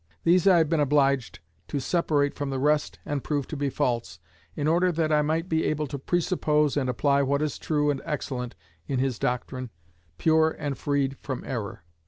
These I have been obliged to separate from the rest and prove to be false, in order that I might be able to presuppose and apply what is true and excellent in his doctrine, pure and freed from error.